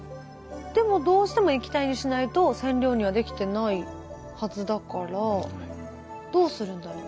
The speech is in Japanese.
でもどうしても液体にしないと染料にはできてないはずだからどうするんだろう？